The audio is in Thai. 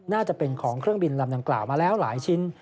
น่าจะเป็นของเครื่องบินลำดังกล่าวมาแล้วหลายชิ้น